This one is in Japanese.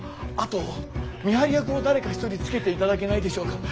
あと見張り役を誰か一人つけていただけないでしょうか。